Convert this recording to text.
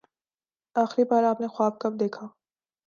آخری بار آپ نے خواب کب دیکھا؟